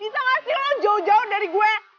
bisa gak sih lo jauh jauh dari gue